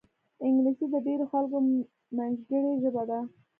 انګلیسي د ډېرو خلکو منځګړې ژبه ده